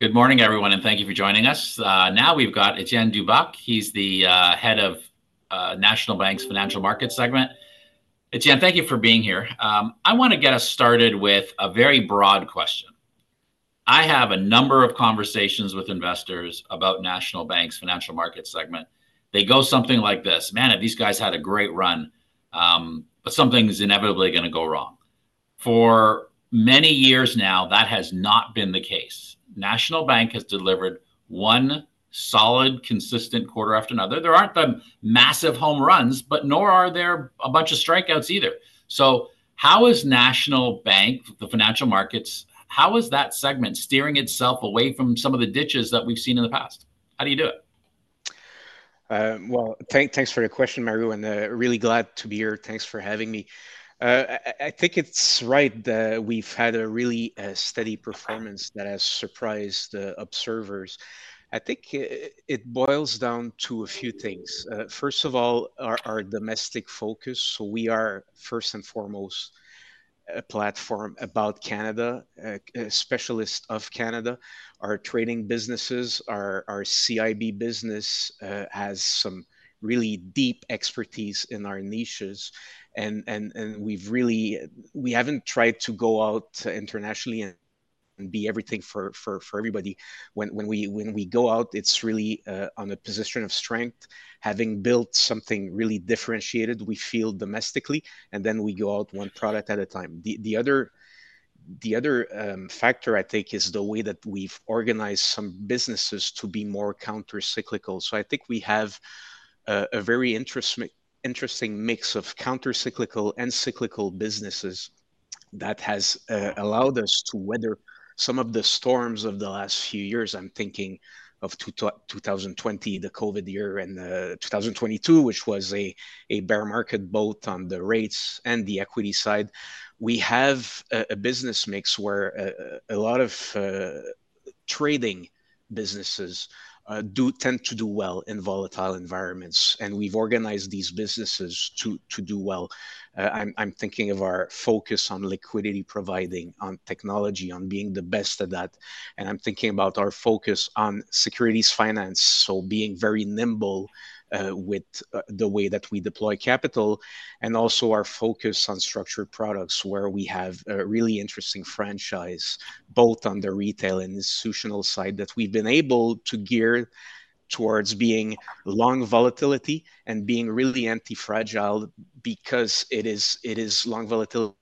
Good morning, everyone, and thank you for joining us. Now we've got Étienne Dubuc. He's the head of National Bank's Financial Market segment. Étienne, thank you for being here. I wanna get us started with a very broad question. I have a number of conversations with investors about National Bank's Financial Market segment. They go something like this: "Man, have these guys had a great run, um, but something's inevitably gonna go wrong." For many years now, that has not been the case. National Bank has delivered one solid, consistent quarter after another. There aren't the massive home runs, but nor are there a bunch of strikeouts either. So how is National Bank, the financial markets, how is that segment steering itself away from some of the ditches that we've seen in the past? How do you do it? Well, thanks for the question, Mario, and really glad to be here. Thanks for having me. I think it's right that we've had a really steady performance that has surprised the observers. I think it boils down to a few things. First of all, our domestic focus. So we are first and foremost a platform about Canada, a specialist of Canada. Our trading businesses, our CIB business has some really deep expertise in our niches, and we haven't tried to go out internationally and be everything for everybody. When we go out, it's really on a position of strength, having built something really differentiated, we feel domestically, and then we go out one product at a time. The other factor, I think, is the way that we've organized some businesses to be more countercyclical. So I think we have a very interesting mix of countercyclical and cyclical businesses that has allowed us to weather some of the storms of the last few years. I'm thinking of 2020, the COVID year, and 2022, which was a bear market, both on the rates and the equity side. We have a business mix where a lot of trading businesses tend to do well in volatile environments, and we've organized these businesses to do well. I'm thinking of our focus on liquidity, providing on technology, on being the best at that, and I'm thinking about our focus on securities finance, so being very nimble with the way that we deploy capital. And also our focus on structured products, where we have a really interesting franchise, both on the retail and institutional side, that we've been able to gear towards being long volatility and being really anti-fragile because it is long volatility.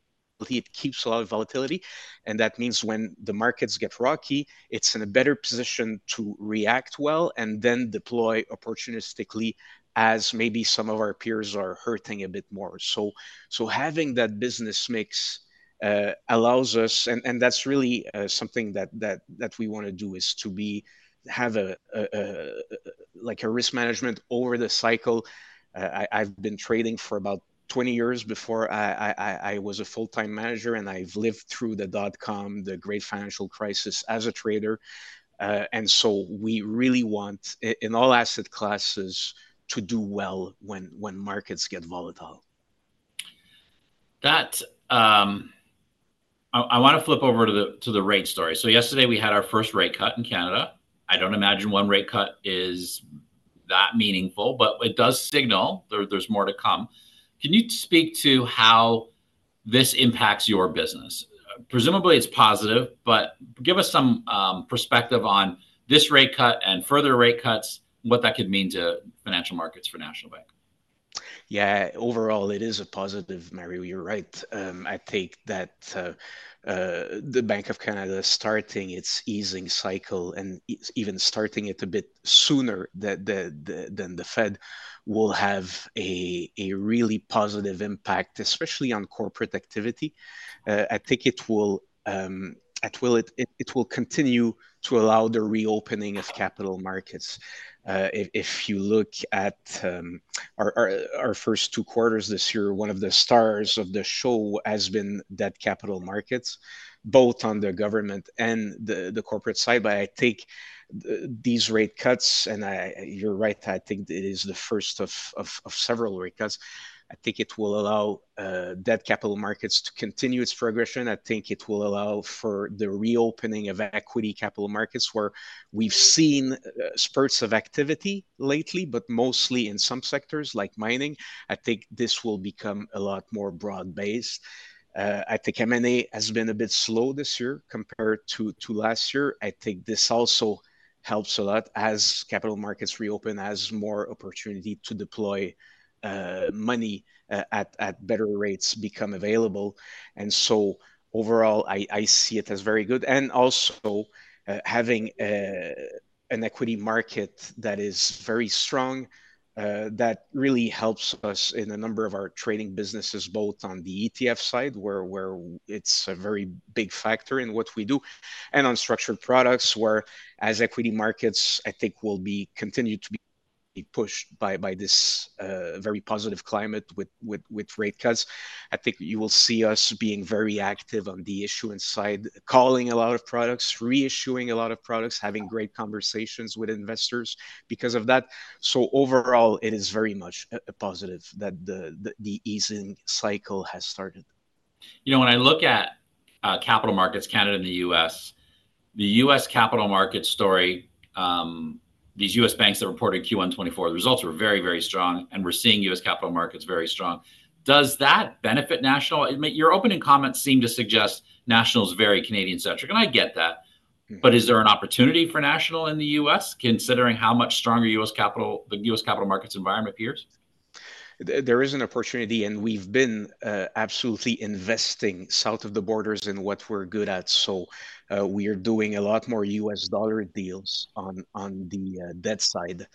It keeps a lot of volatility, and that means when the markets get rocky, it's in a better position to react well and then deploy opportunistically as maybe some of our peers are hurting a bit more. So having that business mix allows us... And that's really something that we wanna do, is to have a, like, a risk management over the cycle. I've been trading for about 20 years before I was a full-time manager, and I've lived through the dot-com, the Great Financial Crisis as a trader. And so we really want in all asset classes to do well when markets get volatile. That, I wanna flip over to the rate story. So yesterday we had our first rate cut in Canada. I don't imagine one rate cut is that meaningful, but it does signal there's more to come. Can you speak to how this impacts your business? Presumably, it's positive, but give us some perspective on this rate cut and further rate cuts, what that could mean to financial markets for National Bank. Yeah, overall, it is a positive, Mario. You're right. I think that the Bank of Canada starting its easing cycle and even starting it a bit sooner than the Fed will have a really positive impact, especially on corporate activity. I think it will continue to allow the reopening of capital markets. If you look at our first two quarters this year, one of the stars of the show has been debt capital markets, both on the government and the corporate side. But I think these rate cuts, and you're right, I think it is the first of several rate cuts. I think it will allow debt capital markets to continue its progression. I think it will allow for the reopening of equity capital markets, where we've seen spurts of activity lately, but mostly in some sectors, like mining. I think this will become a lot more broad-based. I think M&A has been a bit slow this year compared to last year. I think this also helps a lot as capital markets reopen, as more opportunity to deploy money at better rates become available. And so overall, I see it as very good. Also, having an equity market that is very strong, that really helps us in a number of our trading businesses, both on the ETF side, where it's a very big factor in what we do, and on structured products, where, as equity markets, I think, will continue to be pushed by this very positive climate with rate cuts. I think you will see us being very active on the issuance side, calling a lot of products, reissuing a lot of products, having great conversations with investors because of that. So overall, it is very much a positive that the easing cycle has started.... You know, when I look at capital markets, Canada and the U.S., the U.S. capital market story, these U.S. banks that reported Q1 2024, the results were very, very strong, and we're seeing U.S. capital markets very strong. Does that benefit National? Your opening comments seem to suggest National's very Canadian-centric, and I get that. Mm-hmm. Is there an opportunity for National in the U.S., considering how much stronger U.S. capital, the U.S. capital markets environment appears? There is an opportunity, and we've been absolutely investing south of the borders in what we're good at. So, we are doing a lot more U.S. dollar deals on the debt side.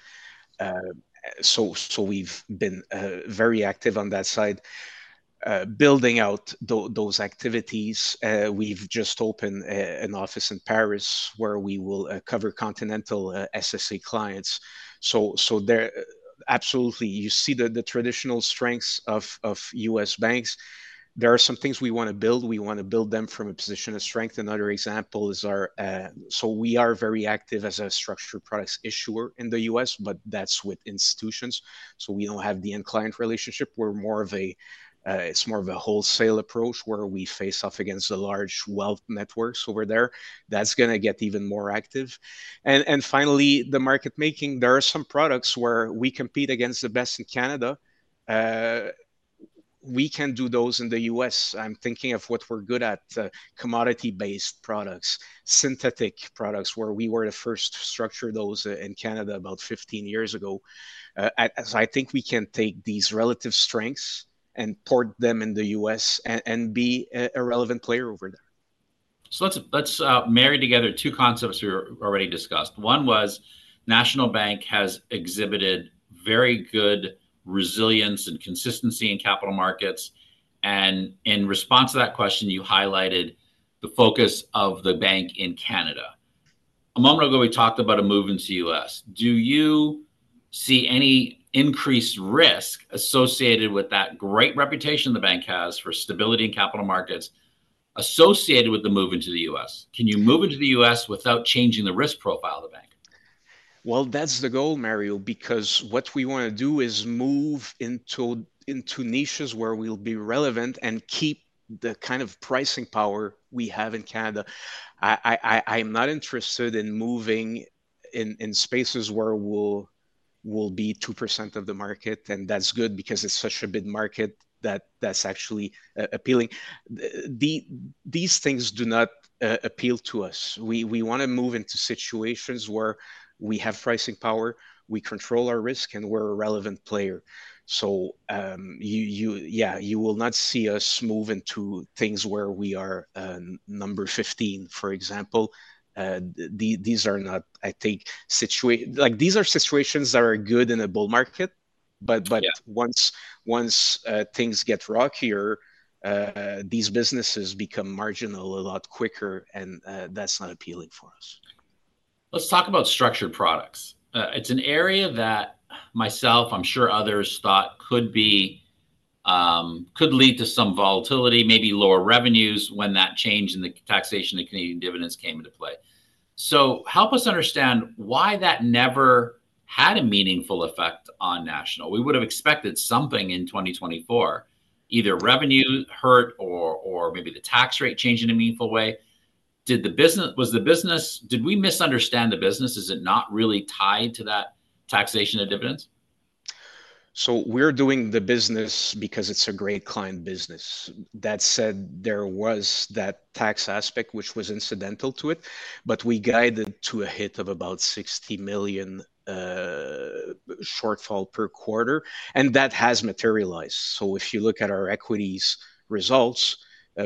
So, we've been very active on that side, building out those activities. We've just opened an office in Paris, where we will cover continental SSA clients. So, there, absolutely, you see the traditional strengths of U.S. banks. There are some things we wanna build. We wanna build them from a position of strength. Another example is our... So we are very active as a structured products issuer in the U.S., but that's with institutions. So we don't have the end client relationship. We're more of a, it's more of a wholesale approach, where we face off against the large wealth networks over there. That's gonna get even more active. And, and finally, the market making, there are some products where we compete against the best in Canada. We can do those in the U.S. I'm thinking of what we're good at, commodity-based products, synthetic products, where we were the first to structure those, in Canada about 15 years ago. So I think we can take these relative strengths and port them in the U.S., and be a relevant player over there. So let's marry together two concepts we already discussed. One was National Bank has exhibited very good resilience and consistency in capital markets, and in response to that question, you highlighted the focus of the bank in Canada. A moment ago, we talked about a move into U.S. Do you see any increased risk associated with that great reputation the bank has for stability in capital markets associated with the move into the U.S.? Can you move into the U.S. without changing the risk profile of the bank? Well, that's the goal, Mario, because what we wanna do is move into niches where we'll be relevant and keep the kind of pricing power we have in Canada. I'm not interested in moving in spaces where we'll be 2% of the market, and that's good because it's such a big market that that's actually appealing. These things do not appeal to us. We wanna move into situations where we have pricing power, we control our risk, and we're a relevant player. So, you... Yeah, you will not see us move into things where we are number 15, for example. These are not, I think, like, these are situations that are good in a bull market, but- Yeah... but once things get rockier, these businesses become marginal a lot quicker, and that's not appealing for us. Let's talk about structured products. It's an area that myself, I'm sure others, thought could be, could lead to some volatility, maybe lower revenues when that change in the taxation of Canadian dividends came into play. So help us understand why that never had a meaningful effect on National. We would've expected something in 2024, either revenue hurt or, or maybe the tax rate change in a meaningful way. Did the business - Was the business... Did we misunderstand the business? Is it not really tied to that taxation of dividends? So we're doing the business because it's a great client business. That said, there was that tax aspect, which was incidental to it, but we guided to a hit of about 60 million shortfall per quarter, and that has materialized. So if you look at our equities results,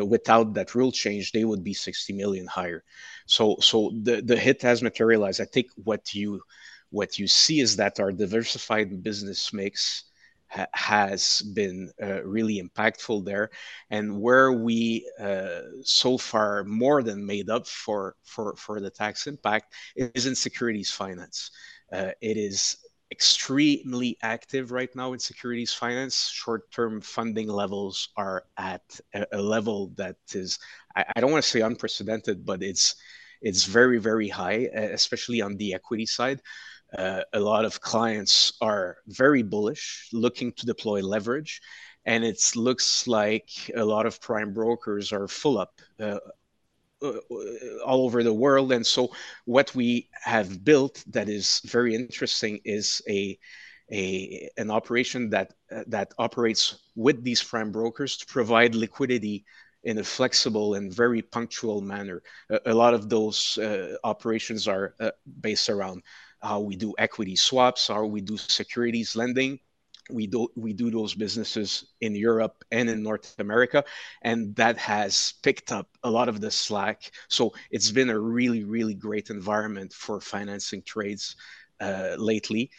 without that rule change, they would be 60 million higher. So the hit has materialized. I think what you see is that our diversified business mix has been really impactful there. And where we so far more than made up for the tax impact is in securities finance. It is extremely active right now in securities finance. Short-term funding levels are at a level that is, I don't wanna say unprecedented, but it's very, very high, especially on the equity side. A lot of clients are very bullish, looking to deploy leverage, and it looks like a lot of prime brokers are full up all over the world. So what we have built that is very interesting is an operation that operates with these prime brokers to provide liquidity in a flexible and very punctual manner. A lot of those operations are based around how we do equity swaps, or we do securities lending. We do those businesses in Europe and in North America, and that has picked up a lot of the slack. So it's been a really, really great environment for financing trades lately.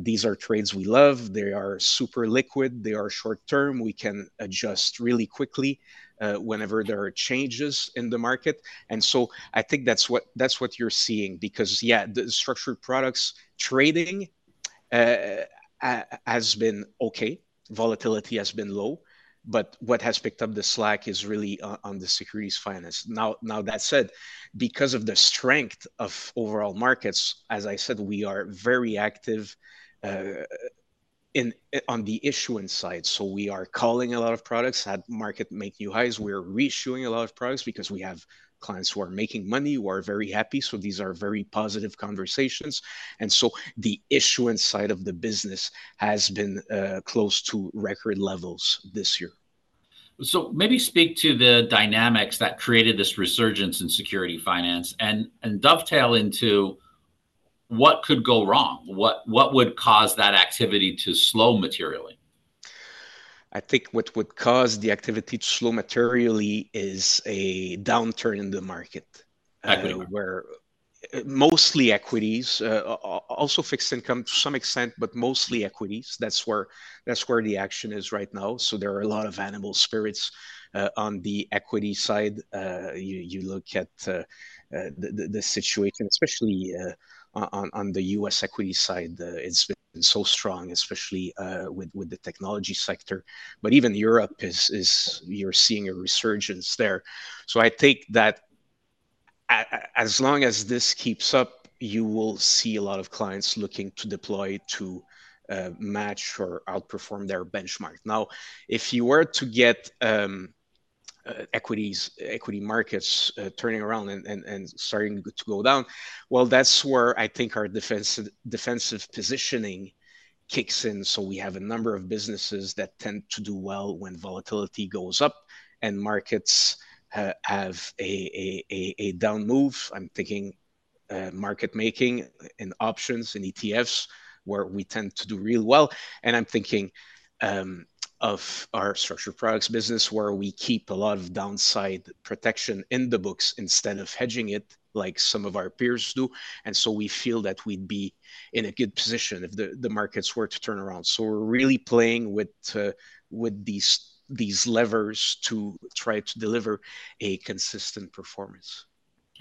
These are trades we love. They are super liquid. They are short-term. We can adjust really quickly whenever there are changes in the market. I think that's what, that's what you're seeing because, yeah, the structured products trading has been okay. Volatility has been low, but what has picked up the slack is really on the securities finance. Now, that said, because of the strength of overall markets, as I said, we are very active in on the issuance side. So we are calling a lot of products, had market make new highs. We are reissuing a lot of products because we have clients who are making money, who are very happy, so these are very positive conversations. And so the issuance side of the business has been close to record levels this year. Maybe speak to the dynamics that created this resurgence in securities finance, and dovetail into what could go wrong. What would cause that activity to slow materially? I think what would cause the activity to slow materially is a downturn in the market. Equity... where, mostly equities, also fixed income to some extent, but mostly equities. That's where, that's where the action is right now. So there are a lot of animal spirits on the equity side. You look at the situation, especially on the U.S. equity side. It's been so strong, especially with the technology sector. But even Europe is... We are seeing a resurgence there. So I think that as long as this keeps up, you will see a lot of clients looking to deploy to match or outperform their benchmark. Now, if you were to get equities, equity markets turning around and starting to go down, well, that's where I think our defensive, defensive positioning kicks in. So we have a number of businesses that tend to do well when volatility goes up and markets have a down move. I'm thinking market making and options in ETFs, where we tend to do real well. And I'm thinking of our structured products business, where we keep a lot of downside protection in the books instead of hedging it, like some of our peers do. And so we feel that we'd be in a good position if the markets were to turn around. So we're really playing with these levers to try to deliver a consistent performance.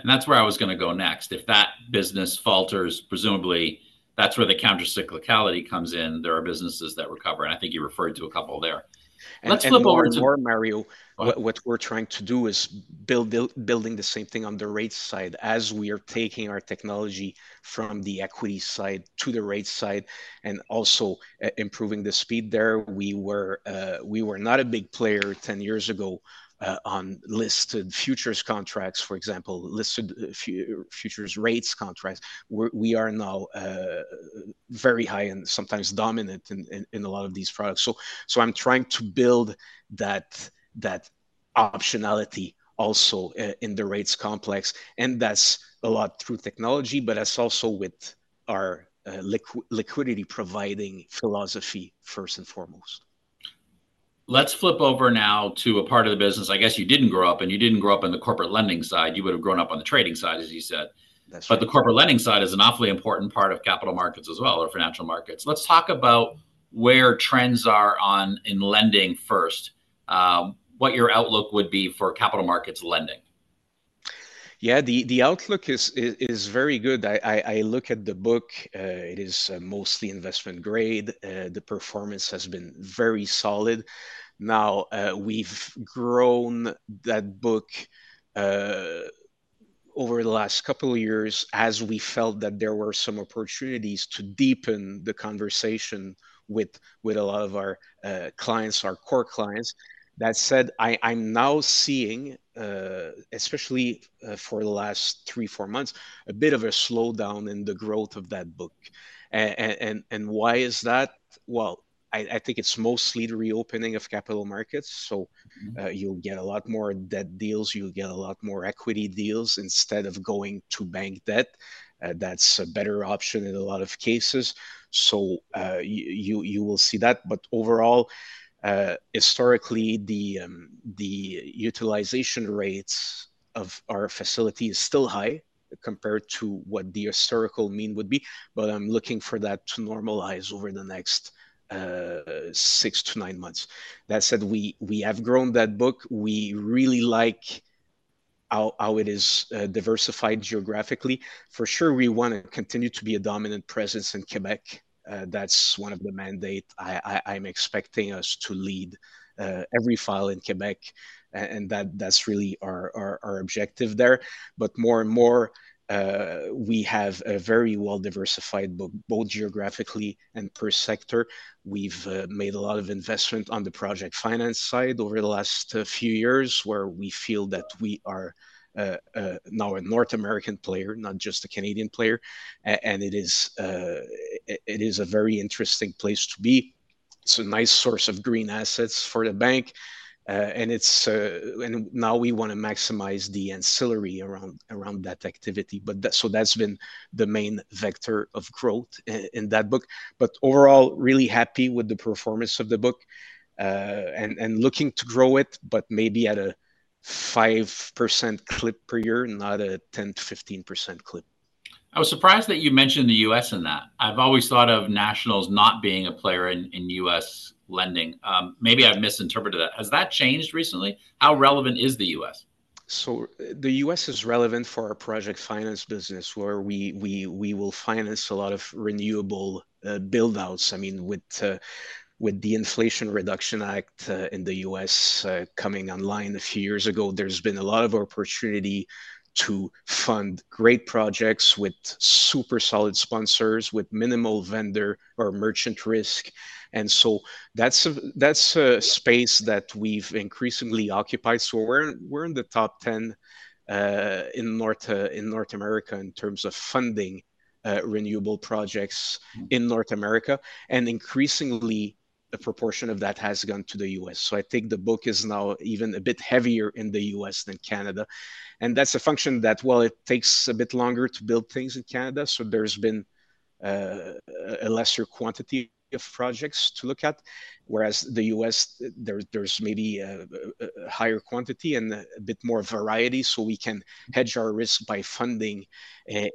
That's where I was gonna go next. If that business falters, presumably that's where the countercyclicality comes in. There are businesses that recover, and I think you referred to a couple there. Let's flip over to- And more, Mario- Go on... what we're trying to do is build building the same thing on the rates side, as we are taking our technology from the equity side to the rates side and also improving the speed there. We were not a big player 10 years ago on listed futures contracts, for example, listed futures rates contracts. We are now very high and sometimes dominant in a lot of these products. So I'm trying to build that optionality also in the rates complex, and that's a lot through technology, but that's also with our liquidity-providing philosophy, first and foremost. Let's flip over now to a part of the business I guess you didn't grow up in. You didn't grow up in the corporate lending side. You would've grown up on the trading side, as you said. That's right. But the corporate lending side is an awfully important part of capital markets as well, or financial markets. Let's talk about where trends are on in lending first, what your outlook would be for capital markets lending. Yeah, the outlook is very good. I look at the book, it is mostly investment grade. The performance has been very solid. Now, we've grown that book over the last couple of years as we felt that there were some opportunities to deepen the conversation with a lot of our clients, our core clients. That said, I'm now seeing, especially, for the last three, four months, a bit of a slowdown in the growth of that book. And why is that? Well, I think it's mostly the reopening of capital markets, so- Mm-hmm... you'll get a lot more debt deals, you'll get a lot more equity deals instead of going to bank debt. That's a better option in a lot of cases. So, you will see that. But overall, historically, the utilization rates of our facility is still high compared to what the historical mean would be, but I'm looking for that to normalize over the next six to nine months. That said, we have grown that book. We really like how it is diversified geographically. For sure, we want to continue to be a dominant presence in Quebec. That's one of the mandate. I'm expecting us to lead every file in Quebec, and that's really our objective there. But more and more, we have a very well-diversified book, both geographically and per sector. We've made a lot of investment on the project finance side over the last few years, where we feel that we are now a North American player, not just a Canadian player. And it is a very interesting place to be. It's a nice source of green assets for the bank. And it's... And now we wanna maximize the ancillary around that activity. But so that's been the main vector of growth in that book. But overall, really happy with the performance of the book, and looking to grow it, but maybe at a 5% clip per year, not a 10%-15% clip. I was surprised that you mentioned the U.S. in that. I've always thought of National's not being a player in U.S. lending. Maybe I've misinterpreted that. Has that changed recently? How relevant is the U.S.? So the U.S. is relevant for our project finance business, where we will finance a lot of renewable build-outs. I mean, with the Inflation Reduction Act in the U.S. coming online a few years ago, there's been a lot of opportunity to fund great projects with super solid sponsors, with minimal vendor or merchant risk. And so that's a space that we've increasingly occupied. So we're in the top 10 in North America in terms of funding renewable projects in North America. And increasingly, a proportion of that has gone to the U.S. So I think the book is now even a bit heavier in the U.S. than Canada, and that's a function that, well, it takes a bit longer to build things in Canada, so there's been a lesser quantity of projects to look at, whereas the U.S., there, there's maybe a higher quantity and a bit more variety, so we can hedge our risk by funding a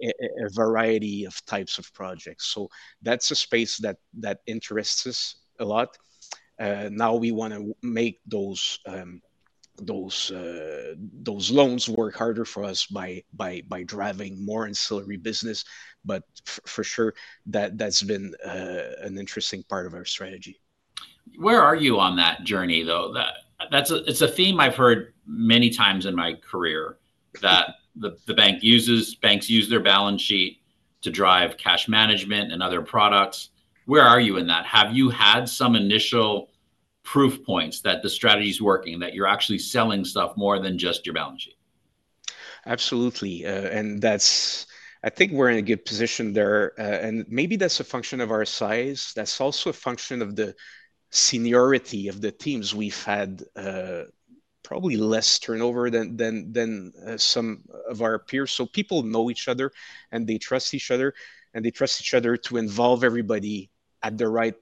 variety of types of projects. So that's a space that interests us a lot. Now we wanna make those loans work harder for us by driving more ancillary business. But for sure, that's been an interesting part of our strategy. Where are you on that journey, though? That's a... It's a theme I've heard many times in my career, that the banks use their balance sheet to drive cash management and other products. Where are you in that? Have you had some initial proof points that the strategy's working, that you're actually selling stuff more than just your balance sheet? Absolutely. And that's, I think we're in a good position there, and maybe that's a function of our size. That's also a function of the seniority of the teams. We've had probably less turnover than some of our peers. So people know each other, and they trust each other, and they trust each other to involve everybody at the right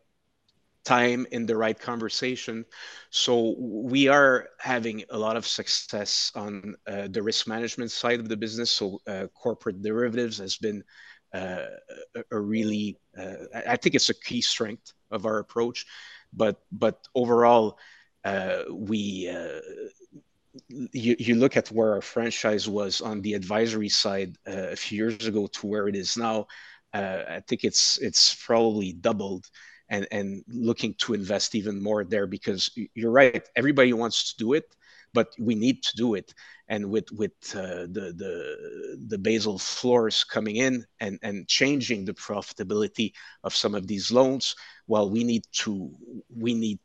time in the right conversation. So we are having a lot of success on the risk management side of the business. So corporate derivatives has been a really... I think it's a key strength of our approach. But overall, we... You look at where our franchise was on the advisory side a few years ago to where it is now. I think it's probably doubled, and looking to invest even more there. Because you're right, everybody wants to do it, but we need to do it. And with the Basel floors coming in and changing the profitability of some of these loans, well, we need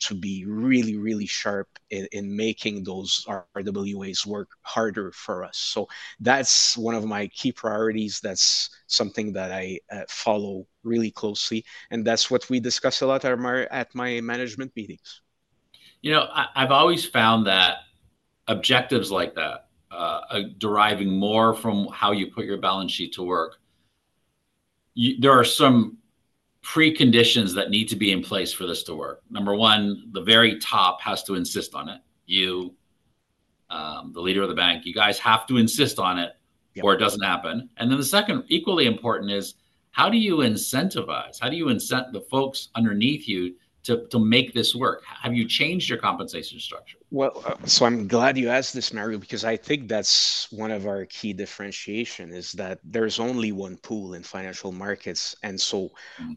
to be really sharp in making those RWAs work harder for us. So that's one of my key priorities. That's something that I follow really closely, and that's what we discuss a lot at my management meetings. You know, I've always found that objectives like that deriving more from how you put your balance sheet to work, there are some preconditions that need to be in place for this to work. Number one, the very top has to insist on it. You, the leader of the bank, you guys have to insist on it- Yeah... or it doesn't happen. And then the second, equally important, is how do you incentivize? How do you incent the folks underneath you to, to make this work? Have you changed your compensation structure? Well, so I'm glad you asked this, Mario, because I think that's one of our key differentiation, is that there's only one pool in Financial Markets. And so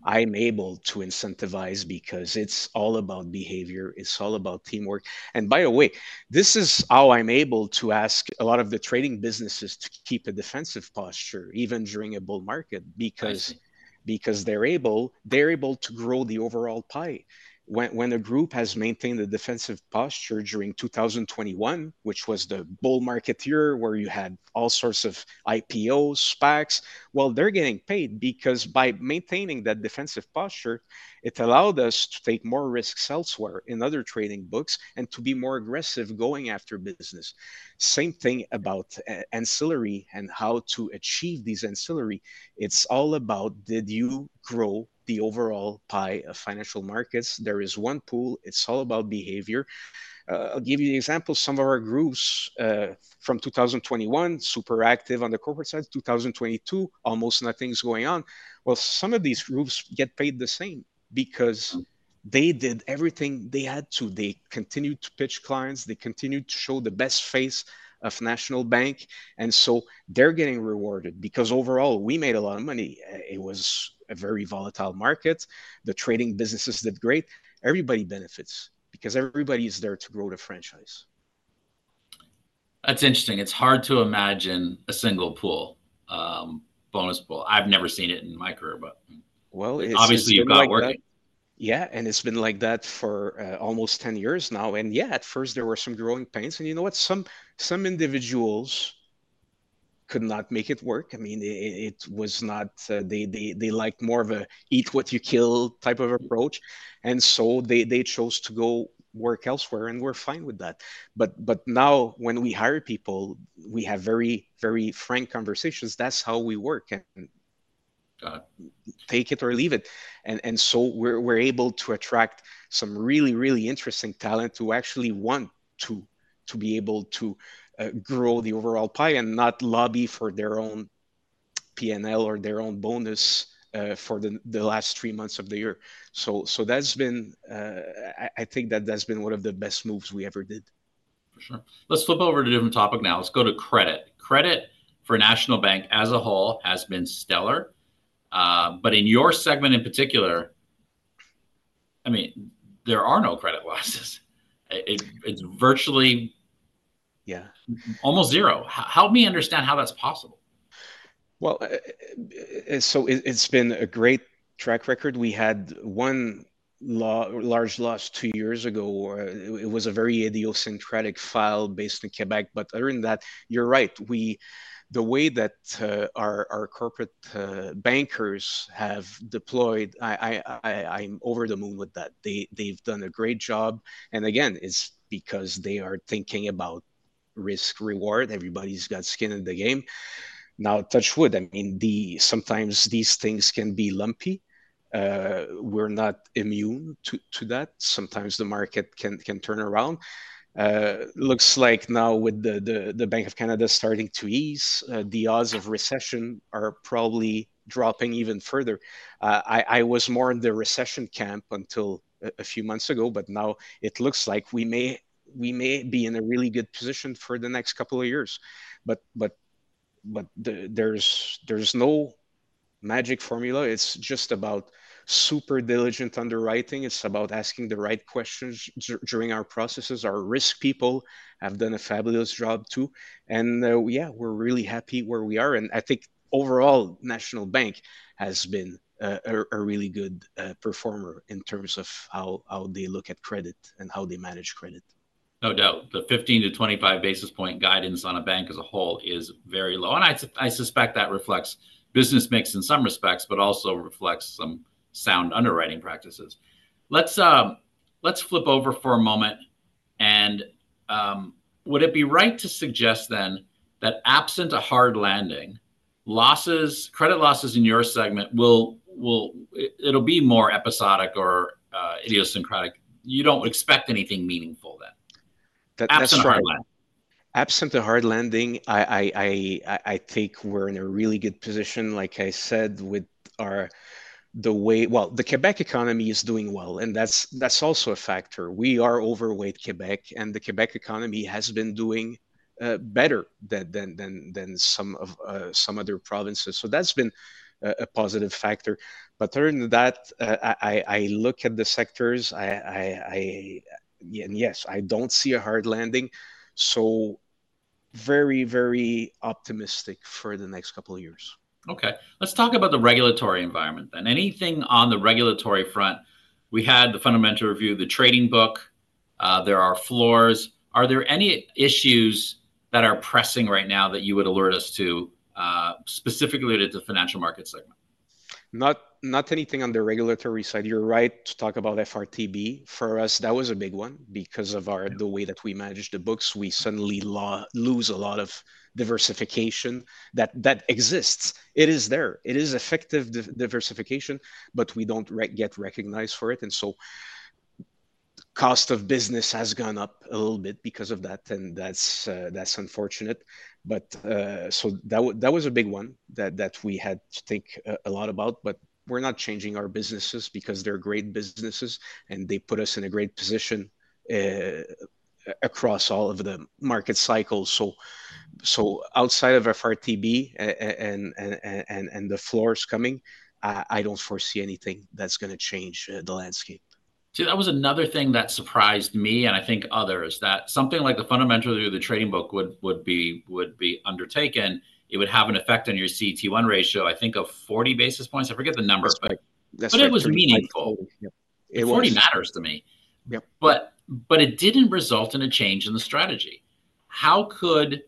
I'm able to incentivize because it's all about behavior. It's all about teamwork. And by the way, this is how I'm able to ask a lot of the trading businesses to keep a defensive posture, even during a bull market. I see... because they're able to grow the overall pie. When a group has maintained a defensive posture during 2021, which was the bull market year, where you had all sorts of IPO, SPACs, well, they're getting paid because by maintaining that defensive posture, it allowed us to take more risks elsewhere in other trading books and to be more aggressive going after business. Same thing about ancillary and how to achieve these ancillary. It's all about, did you grow the overall pie of financial markets? There is one pool. It's all about behavior. I'll give you an example. Some of our groups from 2021, super active on the corporate side. 2022, almost nothing's going on. Well, some of these groups get paid the same because- Oh... they did everything they had to. They continued to pitch clients. They continued to show the best face of National Bank, and so they're getting rewarded because overall, we made a lot of money. It was a very volatile market. The trading businesses did great. Everybody benefits because everybody is there to grow the franchise. That's interesting. It's hard to imagine a single pool, bonus pool. I've never seen it in my career, but- Well, it's-... obviously, you've got work done. Yeah, and it's been like that for almost 10 years now. And yeah, at first there were some growing pains, and you know what? Some individuals could not make it work. I mean, it was not... They liked more of a eat-what-you-kill type of approach, and so they chose to go work elsewhere, and we're fine with that. But now when we hire people, we have very, very frank conversations. That's how we work, and- Got it... take it or leave it. And so we're able to attract some really, really interesting talent who actually want to be able to grow the overall pie and not lobby for their own P&L or their own bonus for the last three months of the year. So that's been, I think that that's been one of the best moves we ever did.... For sure. Let's flip over to a different topic now. Let's go to credit. Credit for National Bank as a whole has been stellar. But in your segment in particular, I mean, there are no credit losses. It, it's virtually- Yeah... almost zero. Help me understand how that's possible? Well, so it's been a great track record. We had one large loss two years ago. It was a very idiosyncratic file based in Quebec. But other than that, you're right, the way that our corporate bankers have deployed, I'm over the moon with that. They've done a great job, and again, it's because they are thinking about risk reward. Everybody's got skin in the game. Now, touch wood, I mean, sometimes these things can be lumpy. We're not immune to that. Sometimes the market can turn around. Looks like now with the Bank of Canada starting to ease, the odds of recession are probably dropping even further. I was more in the recession camp until a few months ago, but now it looks like we may be in a really good position for the next couple of years. But there's no magic formula. It's just about super diligent underwriting. It's about asking the right questions during our processes. Our risk people have done a fabulous job, too, and yeah, we're really happy where we are. And I think overall, National Bank has been a really good performer in terms of how they look at credit and how they manage credit. No doubt. The 15-25 basis points guidance on a bank as a whole is very low, and I suspect that reflects business mix in some respects, but also reflects some sound underwriting practices. Let's flip over for a moment, and would it be right to suggest then that absent a hard landing, losses, credit losses in your segment will... It'll be more episodic or idiosyncratic. You don't expect anything meaningful then? That- Absent hard landing. Absent a hard landing, I think we're in a really good position, like I said. Well, the Quebec economy is doing well, and that's also a factor. We are overweight Quebec, and the Quebec economy has been doing better than some other provinces. So that's been a positive factor. But other than that, I look at the sectors, and yes, I don't see a hard landing, so very, very optimistic for the next couple of years. Okay. Let's talk about the regulatory environment then. Anything on the regulatory front? We had the Fundamental Review of the Trading Book. There are floors. Are there any issues that are pressing right now that you would alert us to, specifically to the Financial Markets segment? Not anything on the regulatory side. You're right to talk about FRTB. For us, that was a big one. Because of the way that we manage the books, we suddenly lose a lot of diversification that exists. It is there. It is effective diversification, but we don't get recognized for it, and so cost of business has gone up a little bit because of that, and that's unfortunate. But so that was a big one that we had to think a lot about, but we're not changing our businesses because they're great businesses, and they put us in a great position across all of the market cycles. So outside of FRTB, and the floors coming, I don't foresee anything that's gonna change the landscape. See, that was another thing that surprised me, and I think others, that something like the Fundamental Review of the Trading Book would be undertaken. It would have an effect on your CET1 ratio, I think of 40 basis points. I forget the numbers- Perfect. But it was meaningful. Yeah. It was- It 40 matters to me. Yep. But it didn't result in a change in the strategy. How could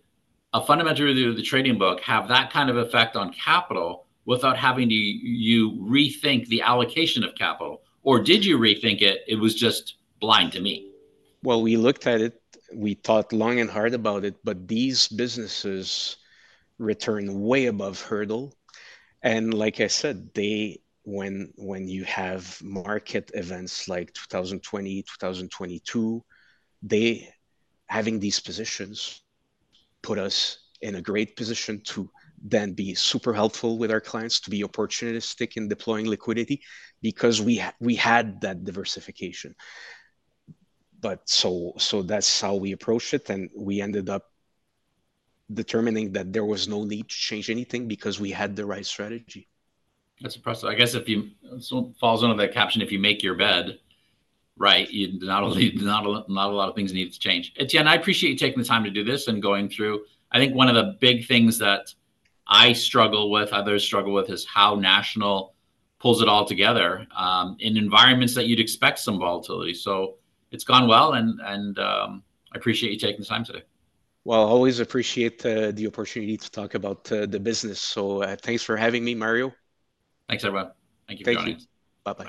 a Fundamental Review of the Trading Book have that kind of effect on capital without having to, you rethink the allocation of capital? Or did you rethink it, it was just blind to me? Well, we looked at it, we thought long and hard about it, but these businesses return way above hurdle. And like I said, they. When you have market events like 2020, 2022, having these positions put us in a great position to then be super helpful with our clients, to be opportunistic in deploying liquidity, because we had that diversification. So that's how we approached it, and we ended up determining that there was no need to change anything because we had the right strategy. That's impressive. I guess if you, sort of, falls under the caption, if you make your bed, right, you not only not a lot of things need to change. Étienne, I appreciate you taking the time to do this and going through. I think one of the big things that I struggle with, others struggle with, is how National pulls it all together in environments that you'd expect some volatility. So it's gone well, and I appreciate you taking the time today. Well, I always appreciate the opportunity to talk about the business, so thanks for having me, Mario. Thanks, everyone. Thank you. Thanks for watching. Bye-bye.